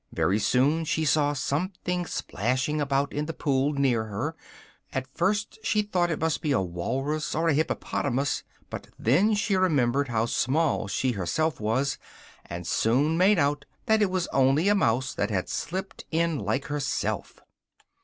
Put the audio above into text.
Very soon she saw something splashing about in the pool near her: at first she thought it must be a walrus or a hippopotamus, but then she remembered how small she was herself, and soon made out that it was only a mouse, that had slipped in like herself.